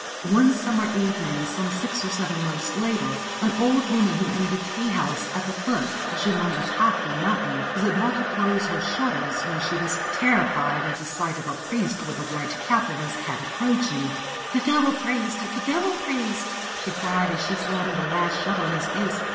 One summer evening, some six or seven months later, an old woman who owned a tea house at the foot of Shumongatake Mountain was about to close her shutters when she was terrified at the sight of a priest with a white cap on his head approaching. ' The Devil Priest ! The Devil Priest !* she cried as she slammed the last shutter in his face.